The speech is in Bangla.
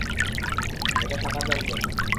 এটা সাঁতার জানত না।